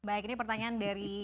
baik ini pertanyaan dari